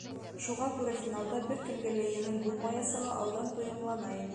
Шуға күрә финалда бер кемгә лә еңел булмаясағы алдан тойомлана ине.